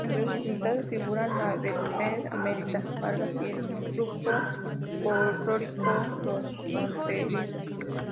Entre sus invitados figuran la vedette Amelita Vargas y el grupo folclórico Los Fronterizos.